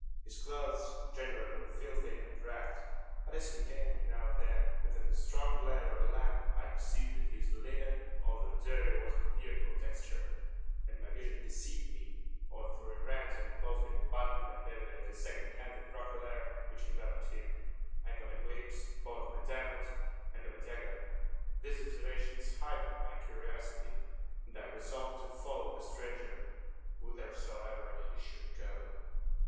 His clothes, generally, were filthy and ragged; but as he came, now and then, within the strong glare of a lamp, I perceived that his linen, although dirty, was of beautiful texture; and my vision deceived me, or, through a rent in a closely buttoned and evidently second handed roquelaire which enveloped him, I caught a glimpse both of a diamond and of a dagger. These observations heightened my curiosity, and I resolved to follow the stranger whithersoever he should go.